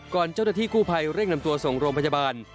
เจ้าหน้าที่กู้ภัยเร่งนำตัวส่งโรงพยาบาล